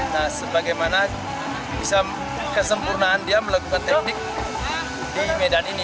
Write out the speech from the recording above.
nah sebagaimana bisa kesempurnaan dia melakukan teknik di medan ini